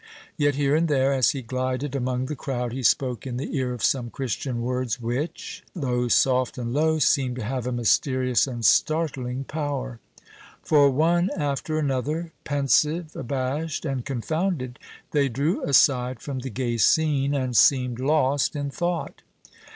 Yet here and there, as he glided among the crowd, he spoke in the ear of some Christian words which, though soft and low, seemed to have a mysterious and startling power; for one after another, pensive, abashed, and confounded, they drew aside from the gay scene, and seemed lost in thought.